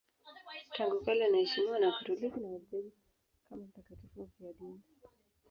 Tangu kale anaheshimiwa na Wakatoliki na Walutheri kama mtakatifu mfiadini.